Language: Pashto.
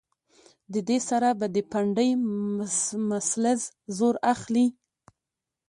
د دې سره به د پنډۍ مسلز زور اخلي